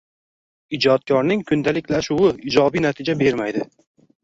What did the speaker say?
Ijodkorning kundaliklashuvi ijobiy natija bermaydi.